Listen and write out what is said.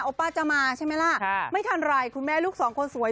ป้าจะมาใช่ไหมล่ะไม่ทันไรคุณแม่ลูกสองคนสวย